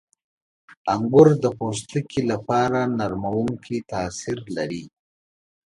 • انګور د پوستکي لپاره نرمونکی تاثیر لري.